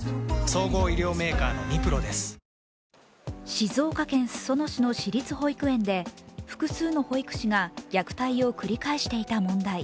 静岡県裾野市の私立保育園で複数の保育士が虐待を繰り返していた問題。